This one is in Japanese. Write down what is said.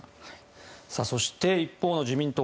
そして一方の自民党